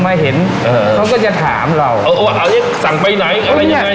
มาเห็นเออเขาก็จะถามเราเออว่าเอาอย่างนี้สั่งไปไหนอะไรยังไง